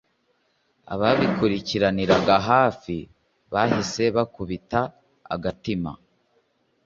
ababikurikiraniraga hafi bahise bakubita agatima